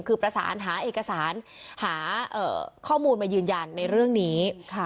คือประสานหาเอกสารหาข้อมูลมายืนยันในเรื่องนี้